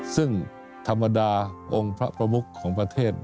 ซึ่งธรรมดาองค์พระประมุขของประเทศ